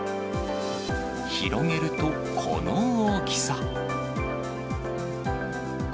広げると、この大きさ。